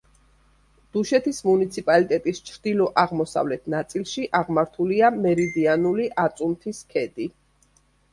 დუშეთის მუნიციპალიტეტის ჩრდილო-აღმოსავლეთ ნაწილში აღმართულია მერიდიანული აწუნთის ქედი.